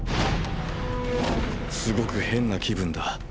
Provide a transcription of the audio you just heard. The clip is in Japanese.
すごく変な気分だ。